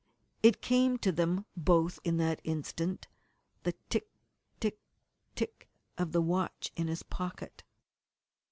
It came to them both in that instant the tick tick tick of the watch in his pocket!